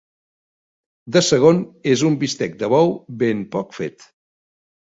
De segon és un bistec de bou ben poc fet.